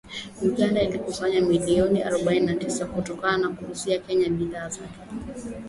Uganda ilikusanya dola milioni arobaini na tisa kutokana na kuizuia Kenya bidhaa zake